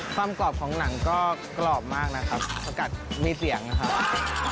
กรอบของหนังก็กรอบมากนะครับสกัดมีเสียงนะครับ